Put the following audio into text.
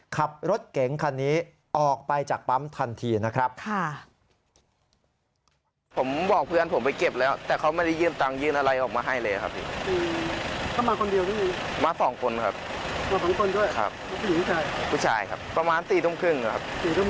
ขับรถเก๋งคันนี้ออกไปจากปั๊มทันทีนะครับ